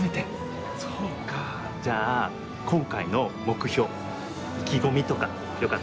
じゃあ今回の目標意気込みとかよかったら聞かせて？